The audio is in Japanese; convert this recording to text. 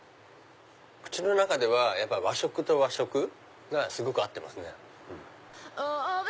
口の中では和食と和食がすごく合ってますね。